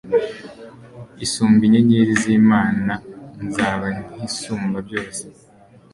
isumbe inyenyeri z'Imana, nzaba nk'Isumbabyose".